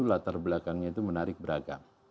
latar belakangnya itu menarik beragam